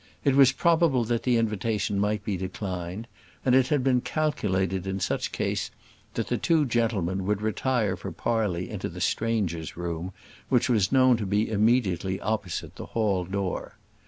It was probable that the invitation might be declined; and it had been calculated in such case that the two gentlemen would retire for parley into the strangers' room, which was known to be immediately opposite the hall door.